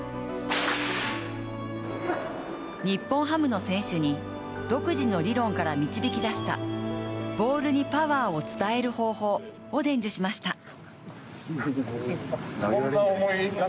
日本ハムの選手に独自の理論から導き出したボールにパワーを伝える方法を伝授しました。